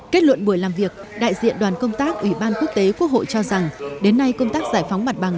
kết luận buổi làm việc đại diện đoàn công tác ủy ban quốc tế quốc hội cho rằng đến nay công tác giải phóng mặt bằng